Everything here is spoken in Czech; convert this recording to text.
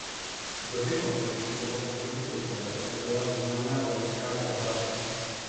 V době konfliktu o Východní Timor zde byla významná vojenská základna.